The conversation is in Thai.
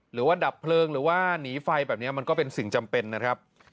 หรือว่าดับเพลิงหรือว่าหนีไฟแบบนี้มันก็เป็นสิ่งจำเป็นนะครับ